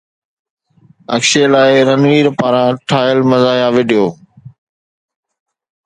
اڪشي لاءِ رنوير پاران ٺاهيل مزاحيه وڊيو